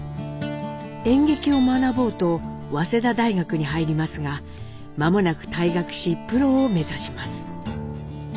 演劇を学ぼうと早稲田大学に入りますが間もなく退学しプロを目指します。